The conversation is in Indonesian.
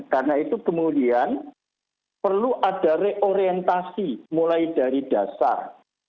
karena itu kemudian perlu ada reorientasi mulai dari dasar